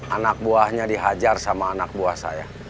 anak buahnya dihajar sama anak buah saya